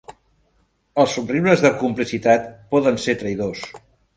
Els somriures de complicitat poden ser traïdors.